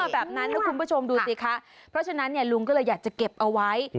แบบนั้นนะคุณผู้ชมดูสิคะเพราะฉะนั้นลุงก็เลยอยากจะเก็บเอาไว้